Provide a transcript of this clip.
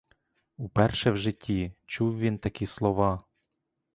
Уперше в житті чув він такі слова.